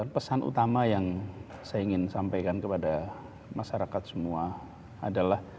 pesan utama yang saya ingin sampaikan kepada masyarakat semua adalah